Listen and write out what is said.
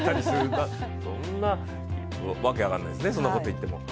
そんな、訳分かんないですね、そんなこと言っても。